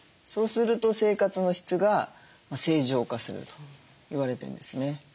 そうすると生活の質が正常化すると言われてるんですね。